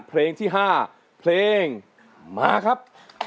เพลงที่๕เพลงมาครับ